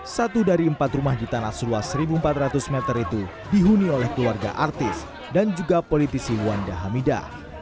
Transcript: satu dari empat rumah di tanah seluas satu empat ratus meter itu dihuni oleh keluarga artis dan juga politisi wanda hamida